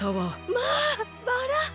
まあバラ。